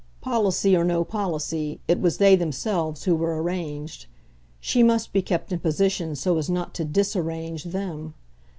Policy or no policy, it was they themselves who were arranged. She must be kept in position so as not to DISarrange them.